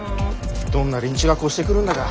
どんな連中が越してくるんだか。